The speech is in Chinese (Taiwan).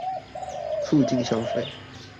促進消費